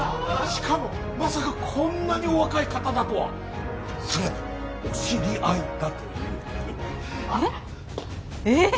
しかもまさかこんなにお若い方だとはさらにお知り合いだというえっ？